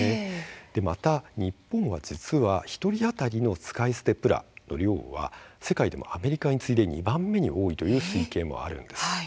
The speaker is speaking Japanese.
また日本は実は１人当たりの使い捨てプラの量は世界でもアメリカに次いで２番目に多いという推計もあります。